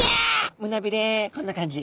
胸びれこんな感じ。